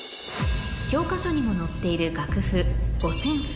教科書にも載っている楽譜